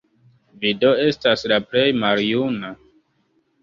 Vi do estas la plej maljuna?